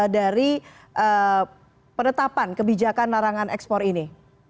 dari penetapan kebijakan larangan ekspor ini